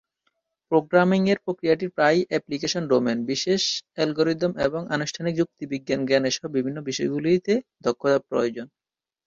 Programming এর প্রক্রিয়াটি প্রায়ই অ্যাপ্লিকেশন ডোমেন, বিশেষ অ্যালগরিদম এবং আনুষ্ঠানিক যুক্তিবিজ্ঞান জ্ঞানের সহ বিভিন্ন বিষয়গুলিতে দক্ষতা প্রয়োজন।